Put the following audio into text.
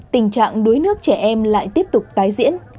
tình trạng đuối nước trẻ em lại tiếp tục tái diễn